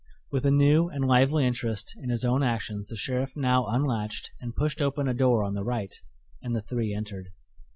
With a new and lively interest in his own actions the sheriff now unlatched and pushed open a door on the right, and the three entered.